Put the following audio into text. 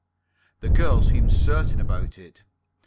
The girl seemed certain about it.